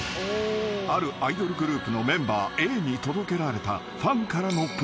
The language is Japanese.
［あるアイドルグループのメンバーＡに届けられた］